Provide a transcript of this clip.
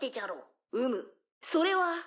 うむそれは。